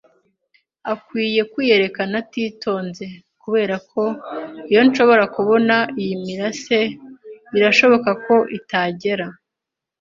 akwiye kwiyerekana atitonze. Kuberako iyo nshobora kubona iyi mirase, birashoboka ko itagera